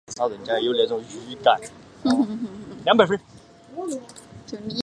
原因刚好是